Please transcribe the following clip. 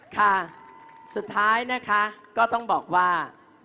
ค่ะสุดท้ายนะคะก็ต้องบอกว่า